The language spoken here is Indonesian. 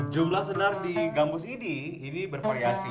jumlah senar di gambus ini ini bervariasi